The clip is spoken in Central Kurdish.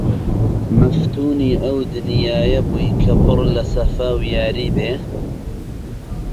مەفتونی ئەو دنیایە بووی کە پڕ لە سەفا و یاری بێ!